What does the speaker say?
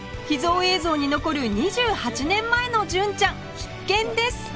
秘蔵映像に残る２８年前の純ちゃん必見です